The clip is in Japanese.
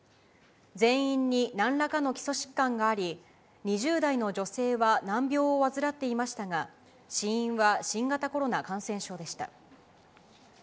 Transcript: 全員になんらかの基礎疾患があり、２０代の女性は難病を患っていましたが、死因は新型コロナ感染症でした。